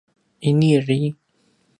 ini dri